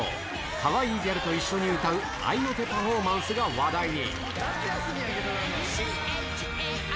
かわいいギャルと一緒に歌う合いの手パフォーマンスが話題に。